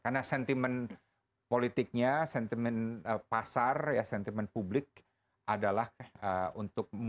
karena sentimen politiknya sentimen pasar ya sentimen publik adalah untuk